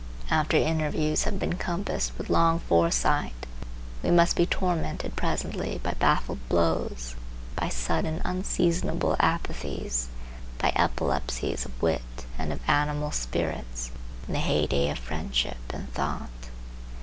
After interviews have been compassed with long foresight we must be tormented presently by baffled blows, by sudden, unseasonable apathies, by epilepsies of wit and of animal spirits, in the heyday of friendship and thought.